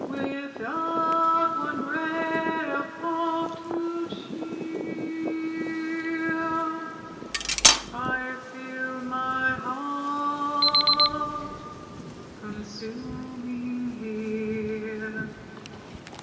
Without one ray of hope to cheer, I feel my heart consuming here.